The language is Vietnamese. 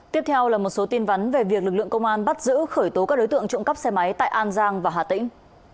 tiếp theo là một số tin vắn về việc lực lượng công an bắt giữ khởi tố các đối tượng trộm cắp xe máy tại an giang và hà tĩnh